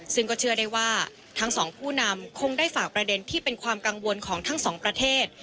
ซึ่งก็เชื่อได้ว่าทั้งสองผู้นำคงได้ฝากประเด็นที่เป็นความกังวลของทั้งสองประเทศ